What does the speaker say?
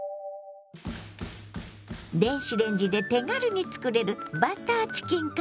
電子レンジで手軽につくれる「バターチキンカレー」。